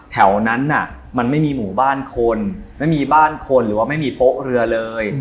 แถวนั้นน่ะมันไม่มีหมู่บ้านคนไม่มีบ้านคนหรือว่าไม่มีโป๊ะเรือเลย